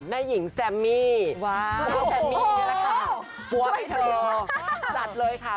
แม่หญิงแซมมีซัมมีอย่างงี้แหละค่ะปั๊วให้เถาจัดเลยค่ะ